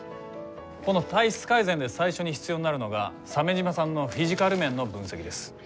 この体質改善で最初に必要になるのが鮫島さんのフィジカル面の分析です。